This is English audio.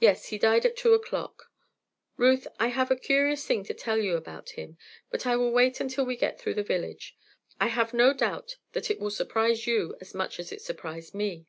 "Yes, he died at two o'clock. Ruth, I have a curious thing to tell you about him; but I will wait until we get through the village; I have no doubt that it will surprise you as much as it surprised me."